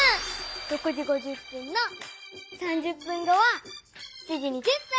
６時５０分の３０分後は７時２０分！